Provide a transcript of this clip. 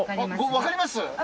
わかります。